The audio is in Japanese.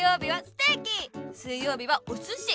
水曜日はおすし！